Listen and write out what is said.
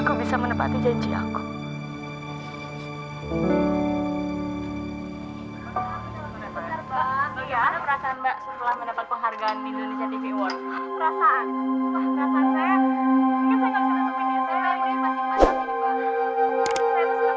tapi mama dan papa nggak usah khawatir